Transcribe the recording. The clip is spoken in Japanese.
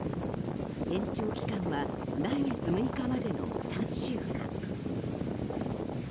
延長期間は来月６日までの３週間。